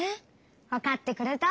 わかってくれた？